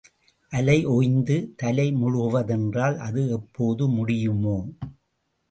அலை ஒய்ந்து, தலை முழுகுவதென்றால் அது எப்போது முடியுமோ?